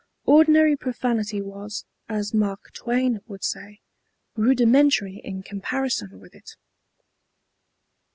Ordinary profanity was, as Mark Twain would say, "rudimentary" in comparison with it.